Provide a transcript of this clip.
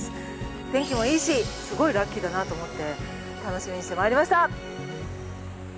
天気もいいし、すごいラッキーだなと思って、楽しみにしてまいりました！